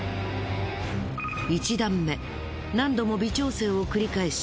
１段目何度も微調整を繰り返し